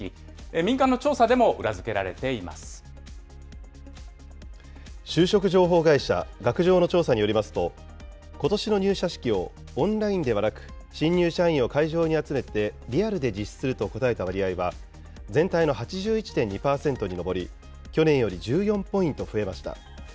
民間の調査でも裏付けられていま就職情報会社、学情の調査によりますと、ことしの入社式をオンラインではなく、新入社員を会場に集めて、リアルで実施すると答えた割合は全体の８１．２％に上り、去年より１４ポイント増えました。